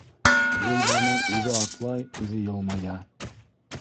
Гөлбаныу үҙе атлай, үҙе йылмая.